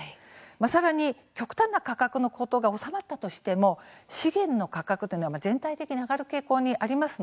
さらに極端な価格の高騰が収まったとしても資源の価格というのは全体的に上がる傾向にあります。